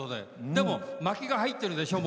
でも、巻きが入ってるでしょ。